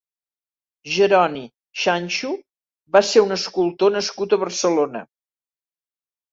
Jeroni Xanxo va ser un escultor nascut a Barcelona.